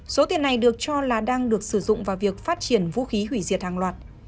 số tiền này được cho là đang được sử dụng vào việc phát triển vũ khí hủy diệt hàng loạt